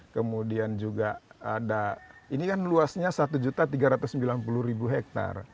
kemudian juga ada ini kan luasnya satu tiga ratus sembilan puluh hektare